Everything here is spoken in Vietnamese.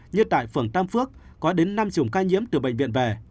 như tại phường tam phước có đến năm chủng ca nhiễm từ bệnh viện về